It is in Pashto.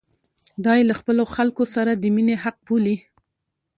دا یې له خپلو خلکو سره د مینې حق بولي.